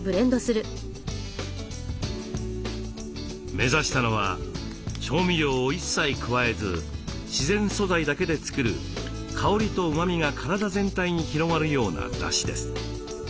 目指したのは調味料を一切加えず自然素材だけで作る香りとうまみが体全体に広がるようなだしです。